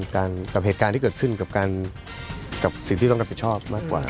กับเหตุการณ์ที่เกิดขึ้นกับสิ่งที่ต้องรับผิดชอบมากกว่า